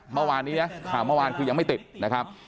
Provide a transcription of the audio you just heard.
เมื่อวานนี้นะข่าวเมื่อวานคือยังไม่ติดนะครับ